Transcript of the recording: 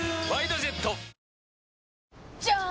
じゃーん！